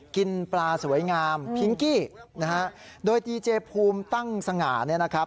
กินปลาสวยงามพิงกี้โดยดีเจฟูมตั้งสง่า